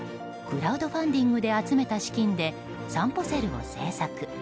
クラウドファンディングで集めた資金でさんぽセルを製作。